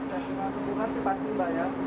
kalau paser lima sempurna sih pasti mbak ya